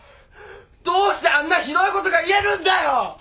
どうしてあんなひどいことが言えるんだよ！